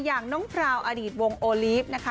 อย่างน้องพราวอดีตวงโอลีฟนะคะ